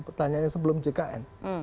pertanyaannya sebelum jkn